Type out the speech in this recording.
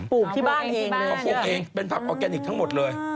ปลูกที่บ้านเองเป็นผักออร์แกนิกทั้งหมดเลย